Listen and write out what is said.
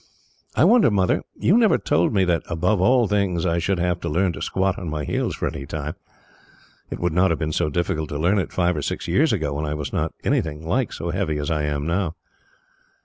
"I wonder, Mother, you never told me that, above all things, I should have to learn to squat on my heels for any time. It would not have been so difficult to learn it, five or six years ago, when I was not anything like so heavy as I am now."